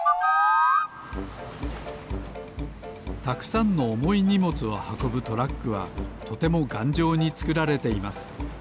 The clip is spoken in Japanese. たくさんのおもいにもつをはこぶトラックはとてもがんじょうにつくられています。